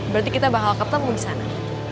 berarti kita bakal ketemu disana